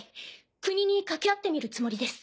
国に掛け合ってみるつもりです。